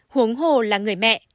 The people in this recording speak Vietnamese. huống hồ là người mẹ